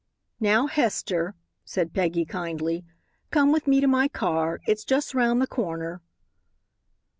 "Now, Hester," said Peggy, kindly, "come with me to my car. It's just 'round the corner."